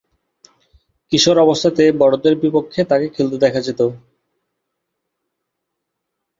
কিশোর অবস্থাতেই বড়দের বিপক্ষে তাকে খেলতে দেখা যেতো।